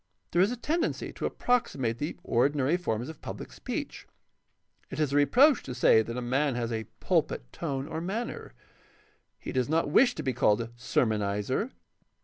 There is a tendency to approxi mate the ordinary forms of public speech. It is a reproach to say that a man has a pulpit tone or manner. He does not wish to be called a sermonizer.